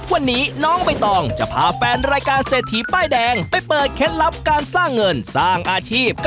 วันนี้น้องใบตองจะพาแฟนรายการเศรษฐีป้ายแดงไปเปิดเคล็ดลับการสร้างเงินสร้างอาชีพ